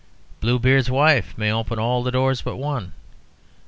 Bluebeard's wife may open all doors but one.